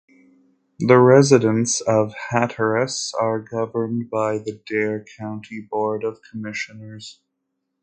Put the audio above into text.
The residents of Hatteras are governed by the Dare County Board of Commissioners.